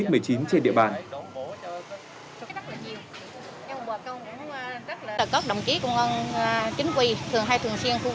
thường hay thường xuyên khu vực để nhắc nhở